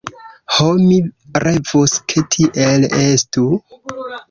Ho, mi revus, ke tiel estu!